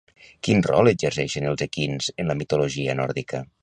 Quin rol exerceixen els equins en la mitologia nòrdica?